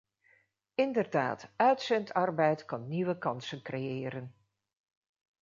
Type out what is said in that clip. Inderdaad, uitzendarbeid kan nieuwe kansen crëeren.